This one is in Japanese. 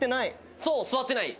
そう座ってない！